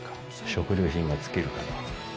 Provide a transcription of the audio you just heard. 食料品が尽きるから。